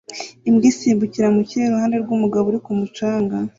Imbwa isimbukira mu kirere iruhande rw'umugabo uri ku mucanga